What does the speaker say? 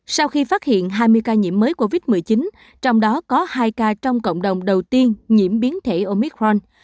sau khi phát hiện hai mươi ca nhiễm mới covid một mươi chín trong đó có hai ca trong cộng đồng đầu tiên nhiễm biến thể omicron